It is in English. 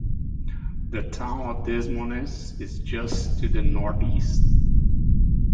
The town of Des Moines is just to the northeast.